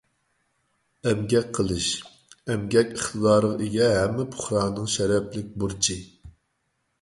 ئەمگەك قىلىش — ئەمگەك ئىقتىدارىغا ئىگە ھەممە پۇقرانىڭ شەرەپلىك بۇرچى.